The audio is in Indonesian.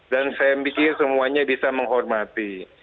dan saya mikir semuanya bisa menghormati